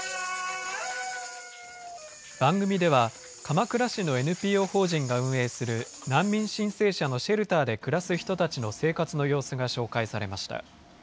番組では、鎌倉市のＮＰＯ法人が運営する難民申請者のシェルターで暮らす人たちの生活の様子が紹介されました。